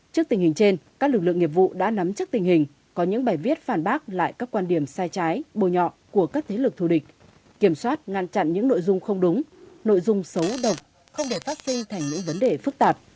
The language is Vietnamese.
trước tình hình trên các lực lượng nghiệp vụ đã nắm chắc tình hình có những bài viết phản bác lại các quan điểm sai trái bôi nhọ của các thế lực thù địch kiểm soát ngăn chặn những nội dung không đúng nội dung xấu độc không để phát sinh thành những vấn đề phức tạp